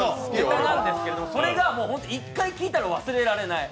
それが１回聞いたら忘れられない。